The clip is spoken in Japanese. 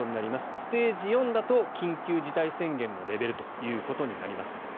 ステージ４だと緊急事態宣言のレベルということになります。